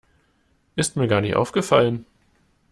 Ist mir gar nicht aufgefallen.